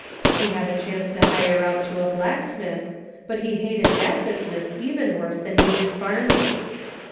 He had a chance to hire out to a blacksmith, but he hated that business even worse than he did farm ing.